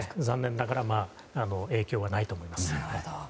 残念ながら影響はないと思います。